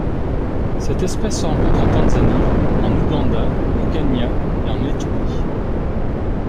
Cette espèce se rencontre en Tanzanie, en Ouganda, au Kenya et en Éthiopie.